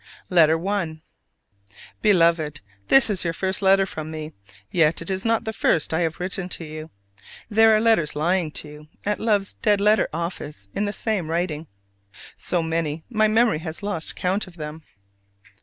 LETTER I. Beloved: This is your first letter from me: yet it is not the first I have written to you. There are letters to you lying at love's dead letter office in this same writing so many, my memory has lost count of them!